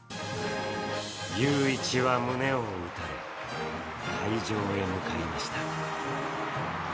裕一は胸を打たれ会場へ向かいました。